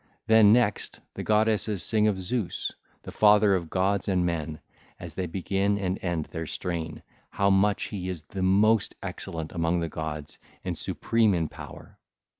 Then, next, the goddesses sing of Zeus, the father of gods and men, as they begin and end their strain, how much he is the most excellent among the gods and supreme in power.